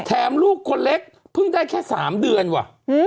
ลูกคนเล็กเพิ่งได้แค่๓เดือนว่ะ